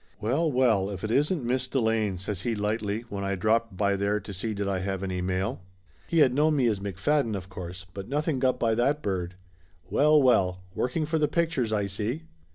"Well, well, if it isn't Miss Delane!" says he lightly when I dropped by there to see did I have any mail. He had known me as McFadden of course, but nothing got by that bird. "Well, well ! Working for the pic tures, I see!"